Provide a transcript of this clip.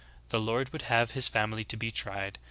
The Lord would have his family to be tried.